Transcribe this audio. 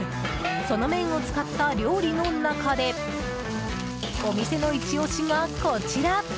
その麺を使った料理の中でお店のイチ押しがこちら。